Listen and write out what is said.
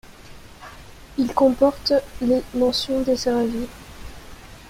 Ils comportent les mentions desservies.